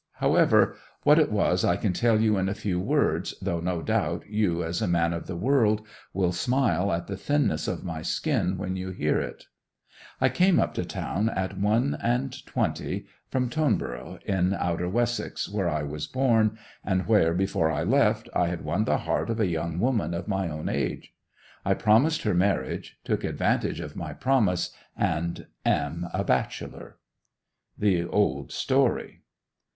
However, what it was I can tell you in a few words, though no doubt you, as a man of the world, will smile at the thinness of my skin when you hear it ... I came up to town at one and twenty, from Toneborough, in Outer Wessex, where I was born, and where, before I left, I had won the heart of a young woman of my own age. I promised her marriage, took advantage of my promise, and—am a bachelor.' 'The old story.